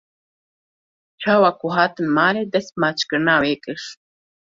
Çawa ku hatin malê dest bi maçkirina wê kir.